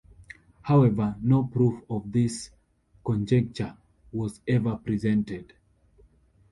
However, no proof of this conjecture was ever presented.